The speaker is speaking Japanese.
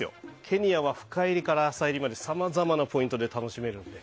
ケニアは深いりから浅いりまでさまざまなポイントで楽しめるので。